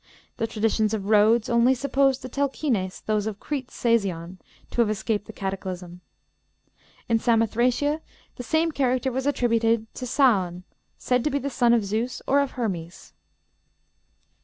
The traditions of Rhodes only supposed the Telchines, those of Crete Sasion, to have escaped the cataclysm. In Samothracia the same character was attributed to Saon, said to be the son of Zeus or of Hermes.